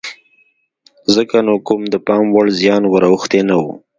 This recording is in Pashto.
ځکه نو کوم د پام وړ زیان ور اوښتی نه و.